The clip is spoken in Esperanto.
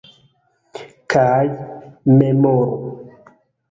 Kaj memoru!